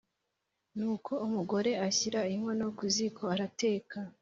nuko umugore ashyira inkono ku ziko arateka